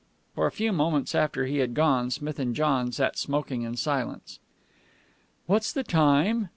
For a few moments after he had gone, Smith and John sat smoking in silence. "What's the time?"